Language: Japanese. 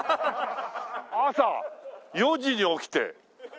朝４時に起きて。